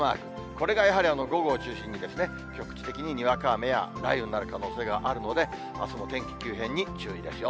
これがやはり午後を中心にですね、局地的ににわか雨や雷雨になる可能性があるので、あすの天気急変に注意ですよ。